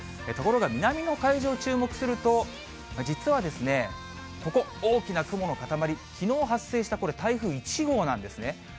ところが南の海上を注目すると、実はですね、ここ、大きな雲の塊、きのう発生した、これ、台風１号なんですね。